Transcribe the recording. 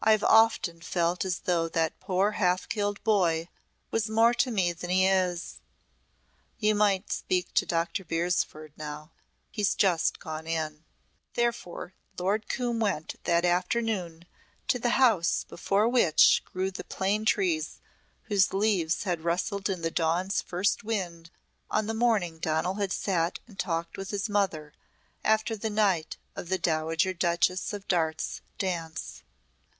I've often felt as though that poor half killed boy was more to me than he is. You might speak to Dr. Beresford now. He's just gone in." Therefore Lord Coombe went that afternoon to the house before which grew the plane trees whose leaves had rustled in the dawn's first wind on the morning Donal had sat and talked with his mother after the night of the Dowager Duchess of Darte's dance.